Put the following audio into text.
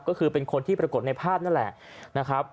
ก็คือเป็นคนที่ปรากฏในพาทนั่นแหละ